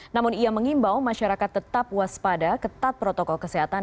namun ia mengimbau masyarakat tetap waspada ketat protokol kesehatan